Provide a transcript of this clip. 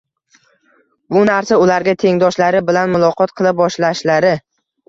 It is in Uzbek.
Bu narsa ularga tengdoshlari bilan muloqot qila boshlashlari